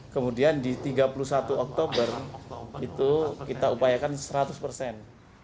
kemudian di tiga puluh satu oktober itu kita upayakan seratus persen